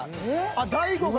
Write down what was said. あっ大悟が。